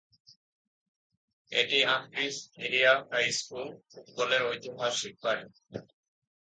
এটি Ambridge area high school football এর ঐতিহাসিক বাড়ি।